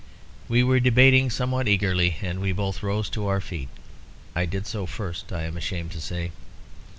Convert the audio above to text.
We were debating somewhat eagerly, and we both rose to our feet. I did so first, I am ashamed to say.